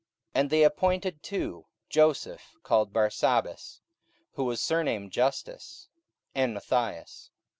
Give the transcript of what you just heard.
44:001:023 And they appointed two, Joseph called Barsabas, who was surnamed Justus, and Matthias.